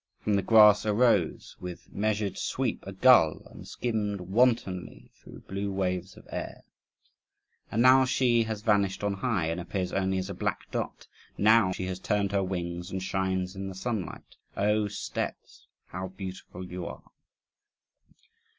From the grass arose, with measured sweep, a gull, and skimmed wantonly through blue waves of air. And now she has vanished on high, and appears only as a black dot: now she has turned her wings, and shines in the sunlight. Oh, steppes, how beautiful you are!